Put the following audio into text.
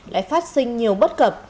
lại phát sinh nhiều bất cập